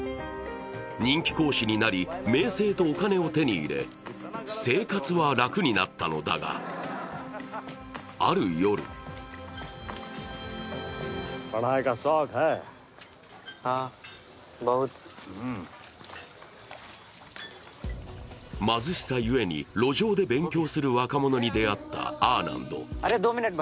人気講師になり、名声とお金を手に入れ、生活は楽になったのだが、ある夜貧しさゆえに路上で勉強する若者に出会ったアーナンド。